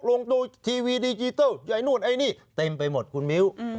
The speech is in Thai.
ลงตัวทีวีดิจิทัลไอ้นู่นไอ้นี่เต็มไปหมดคุณมิ้ว